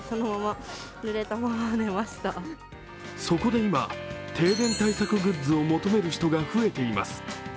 そこで今、停電対策グッズを求める人が増えています。